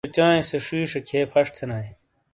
نُش تو چائیں سے شیشے کھئیے پھش تھینائیے۔